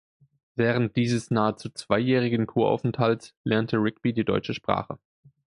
Während dieses, nahezu zweijährigen Kuraufenthalts, lernte Rigby die deutsche Sprache.